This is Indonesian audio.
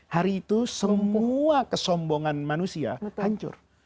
hari itu semua kesombongan manusia hancur